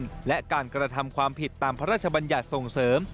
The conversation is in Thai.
และการกระทำความผิดตามพระราชบัญญัติส่งเสริม